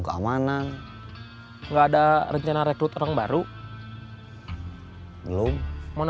kemarin saya mau pake kebesaran